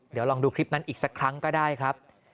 เดี๋ยวลองดูคลิปนั้นอีกสักครั้งก็ได้ครับ